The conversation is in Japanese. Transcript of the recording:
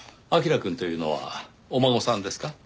彬くんというのはお孫さんですか？